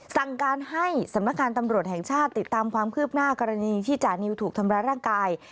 สั่งการให้สำนักงานตำรวจแห่งชาติติดตามความคืบหน้ากรณีที่จานิวถูกทำร้ายร่างกาย